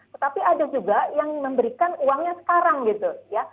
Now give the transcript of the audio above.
tetapi ada juga yang memberikan uangnya sekarang gitu ya